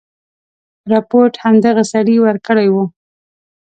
رپوټ هم دغه سړي ورکړی وو.